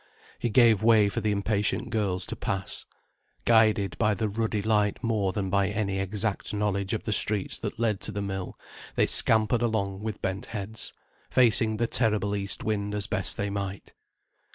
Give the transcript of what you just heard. He gave way for the impatient girls to pass. Guided by the ruddy light more than by any exact knowledge of the streets that led to the mill, they scampered along with bent heads, facing the terrible east wind as best they might.